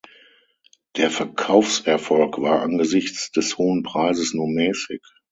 Der Verkaufserfolg war angesichts des hohen Preises nur mäßig.